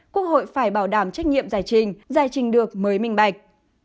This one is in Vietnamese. quốc hội phải bảo đảm trách nhiệm giải trình giải trình được mới minh bạch